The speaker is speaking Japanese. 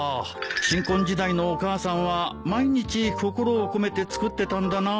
新婚時代のお母さんは毎日心を込めて作ってたんだな。